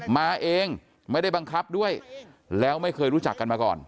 มาเองไม่ได้บังคับด้วยแล้วไม่เคยรู้จักกันมาก่อน